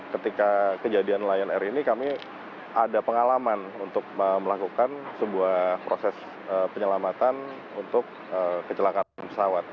ketika kejadian lion air ini kami ada pengalaman untuk melakukan sebuah proses penyelamatan untuk kecelakaan pesawat